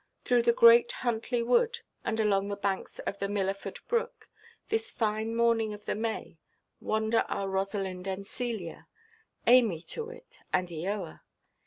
Through the great Huntley Wood, and along the banks of the Millaford brook, this fine morning of the May, wander our Rosalind and Celia, Amy to wit, and Eoa.